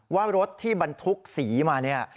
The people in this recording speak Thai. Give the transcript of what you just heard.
ว่ารถที่บรรทุกสีมาเนี่ย